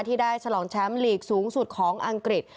ที่ได้ฉลองแชมป์ลีกสูงสุดของอังกฤษ